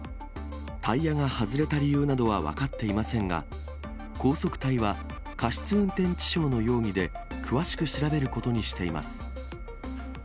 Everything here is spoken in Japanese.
タイヤが外れた理由などは分かっていませんが、高速隊は、過失運転致傷の容疑で詳しく調べることにしています。